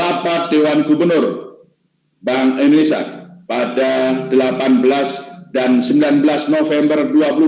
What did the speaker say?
rapat dewan gubernur bank indonesia pada delapan belas dan sembilan belas november dua ribu dua puluh